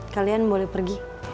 kalian boleh pergi